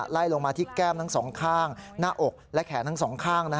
ไล่ลงมาที่แก้มทั้งสองข้างหน้าอกและแขนทั้งสองข้าง